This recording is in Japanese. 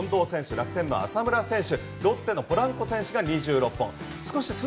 楽天の浅村選手